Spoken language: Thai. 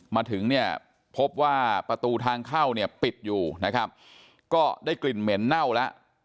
มาถึงพบว่าประตูทางเข้าปิดอยู่ก็ได้กลิ่นเหม็นเน่าแล้ว